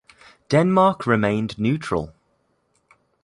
Denmark remained neutral.